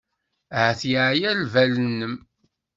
Ahat yeɛya lbal-nnem.